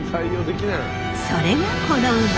それがこの馬。